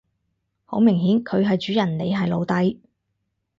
好明顯佢係主人你係奴隸